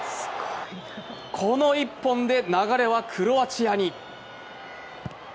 この１本で流れはクロアチアに。